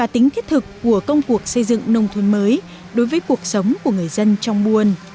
thực của công cuộc xây dựng nông thôn mới đối với cuộc sống của người dân trong buôn